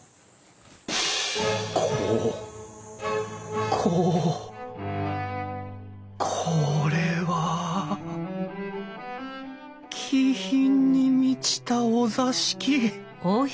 こここれは気品に満ちたお座敷！